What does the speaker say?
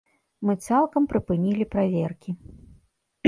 Мы цалкам прыпынілі праверкі.